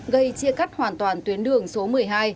gây chia cắt hoàn toàn tuyến đường số một mươi hai